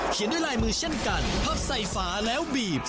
ด้วยลายมือเช่นกันพับใส่ฝาแล้วบีบ